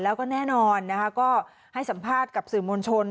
แล้วก็แน่นอนนะคะก็ให้สัมภาษณ์กับสื่อมวลชน